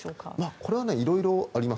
これはいろいろあります。